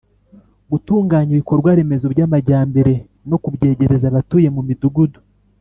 gutunganya ibikorwa remezo by'amajyambere no kubyegereza abatuye mu midugudu.